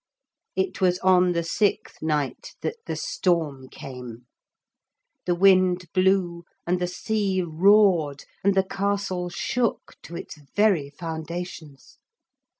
It was on the sixth night that the storm came. The wind blew and the sea roared and the castle shook to its very foundations.